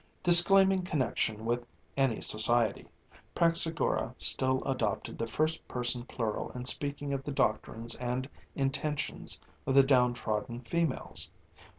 Disclaiming connexion with any society, Praxagora still adopted the first person plural in speaking of the doctrines and intentions of the down trodden females.